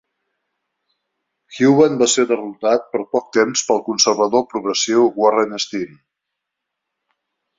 Huband va ser derrotat per poc temps pel conservador progressiu Warren Steen.